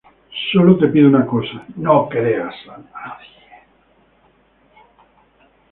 Solo te pido una cosa: no creas a nadie.